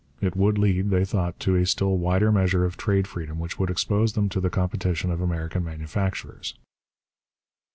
It would lead, they thought, to a still wider measure of trade freedom which would expose them to the competition of American manufacturers.